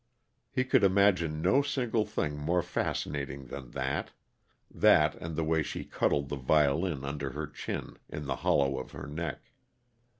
He could imagine no single thing more fascinating than that that, and the way she cuddled the violin under her chin, in the hollow of her neck.